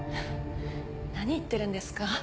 何言ってるんですか？